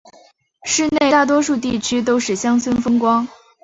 市内大多数地区都是乡村风光。